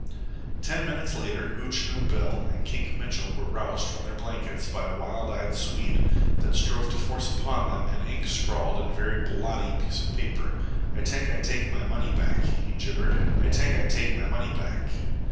Ten minutes later Hootchinoo Bill and Kink Mitchell were roused from their blankets by a wild eyed Swede that strove to force upon them an ink scrawled and very blotty piece of paper. "Ay tank Ay take my money back," he gibbered. "Ay tank Ay take my money back."